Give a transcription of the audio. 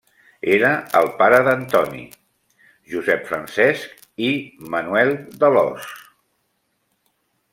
Era el pare d'Antoni, Josep Francesc i Manuel d'Alòs.